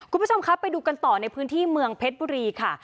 คุณผู้ชมครับไปดูกันต่อในพื้นที่เมืองเพชรบุรีค่ะ